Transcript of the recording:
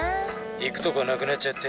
いくとこなくなっちゃって。